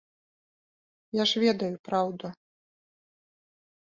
Я ж ведаю праўду.